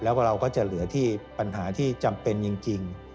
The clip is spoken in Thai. แล้วก็เราก็จะเหลือที่ปัญหาที่จำเป็นจริง